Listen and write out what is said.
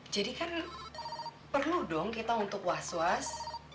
kan perlu dong kita untuk was was